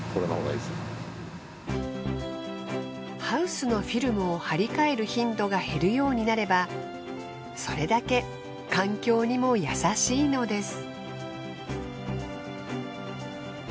ハウスのフィルムを張り替える頻度が減るようになればそれだけ環境にも優しいのです。